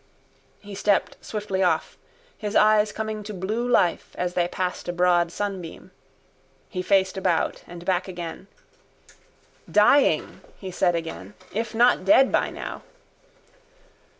He stepped swiftly off, his eyes coming to blue life as they passed a broad sunbeam. He faced about and back again. —Dying, he said again, if not dead by now.